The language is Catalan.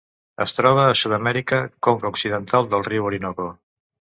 Es troba a Sud-amèrica: conca occidental del riu Orinoco.